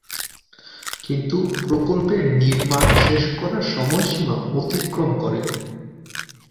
কিন্তু প্রকল্পের নির্মাণ শেষ করার সময়সীমা অতিক্রম করে।